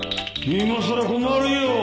いまさら困るよ